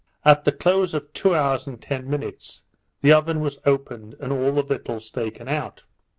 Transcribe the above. At the close of two hours and ten minutes, the oven was opened, and all the victuals taken out.